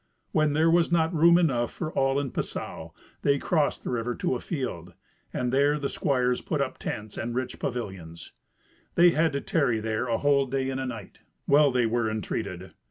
When there was not room enough for all in Passau, they crossed the river to a field, and there the squires put up tents and rich pavilions. They had to tarry there a whole day and a night. Well they were entreated!